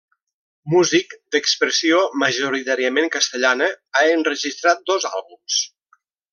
Músic d'expressió majoritàriament castellana, ha enregistrat dos àlbums.